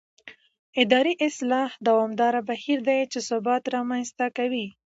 اداري اصلاح دوامداره بهیر دی چې ثبات رامنځته کوي